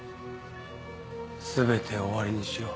全て終わりにしよう。